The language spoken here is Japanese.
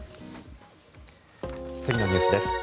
次のニュースです。